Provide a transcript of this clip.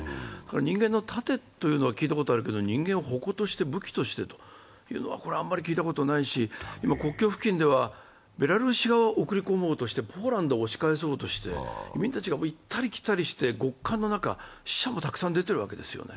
人間の楯というのは聞いたことあるけど、人間を矛として、武器としてというのはあまり聞いたことがないし国境付近ではベラルーシ側は送り込もうとしてポーランドは押し返そうとして移民たちが行ったり来たりして、極寒の中死者もたくさん出ているわけですよ。